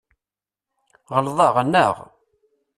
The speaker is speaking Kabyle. Ɣelḍeɣ, anaɣ?